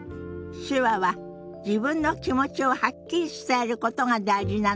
手話は自分の気持ちをはっきり伝えることが大事なのよね。